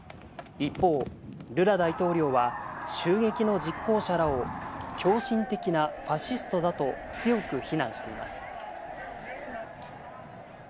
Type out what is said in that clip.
一方、ルラ大統領は襲撃の実行者らを狂信的なファシストだと強く非難しています。